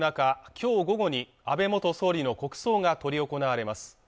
今日午後に安倍元総理の国葬が執り行われます